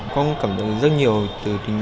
con cảm thấy rất nhiều từ tình yêu thương